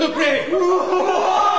うわ！